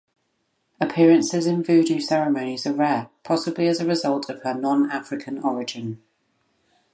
Appearances in Voodoo ceremonies are rare, possibly as a result of her non-African origin.